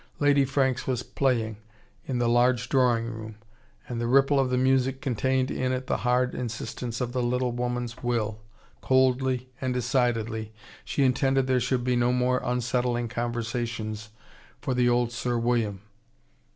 Lady Franks was playing, in the large drawing room. And the ripple of the music contained in it the hard insistence of the little woman's will. Coldly, and decidedly, she intended there should be no more unsettling conversations for the old Sir William.